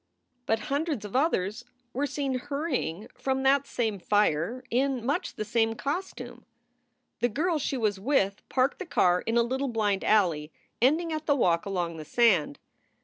But hundreds of others were seen hurrying from that same fire in much the same costume. The girls she was with parked the car in a little blind alley ending at the walk along the sand.